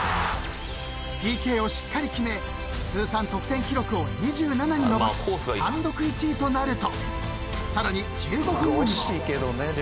［ＰＫをしっかり決め通算得点記録を２７に伸ばし単独１位となるとさらに１５分後に］